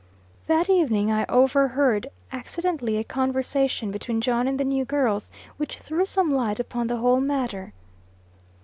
That evening I overheard, accidentally, a conversation between John and the new girls, which threw some light upon the whole matter.